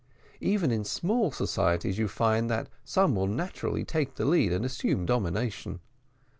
Even in small societies you find that some will naturally take the lead and assume domination.